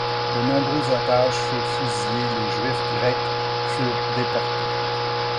De nombreux otages furent fusillés, les juifs grecs furent déportés.